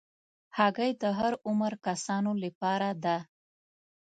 هګۍ د هر عمر کسانو لپاره ده.